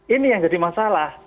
ini yang jadi masalah